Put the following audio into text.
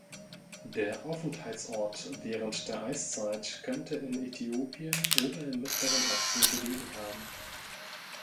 Der Aufenthaltsort während der Eiszeit könnte in Äthiopien oder im Mittleren Osten gelegen haben.